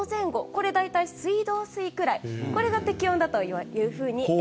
これは大体、水道水くらいが適温だということです。